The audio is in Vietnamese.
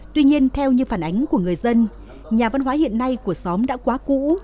tuy nhiên theo như phản ánh của người dân nhà văn hóa hiện nay của xóm đã quá cũ